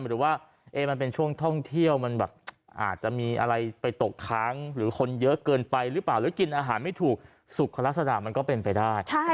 หรือว่ามันเป็นช่วงท่องเที่ยวมันแบบอาจจะมีอะไรไปตกค้างหรือคนเยอะเกินไปหรือเปล่าหรือกินอาหารไม่ถูกสุขลักษณะมันก็เป็นไปได้